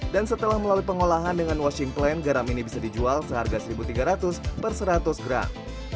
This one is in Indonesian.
dan setelah melalui pengolahan dengan washing plane garam ini bisa dijual seharga rp satu tiga ratus per seratus gram